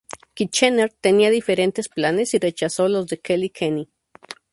Kitchener tenía diferentes planes y rechazó a los de Kelly-Kenny.